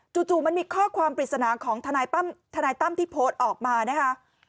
จู่มันมีข้อความปริศนาของทนายตั้มที่โพสต์ออกมานะคะ